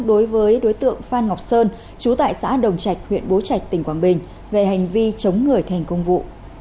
đối với đối tượng phan ngọc sơn trú tại xã đồng trạch huyện bố trạch tỉnh quảng bình về hành vi chống người thành công vụ